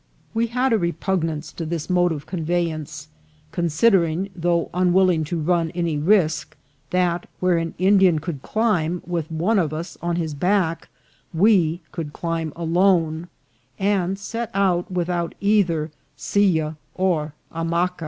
We had a repugnance to this mode of conveyance, consid ering, though unwilling to run any risk, that where an Indian could climb with one of us on his back we could climb alone, and set out without either silla or hammaca.